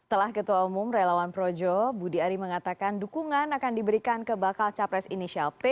setelah ketua umum relawan projo budi ari mengatakan dukungan akan diberikan ke bakal capres inisial p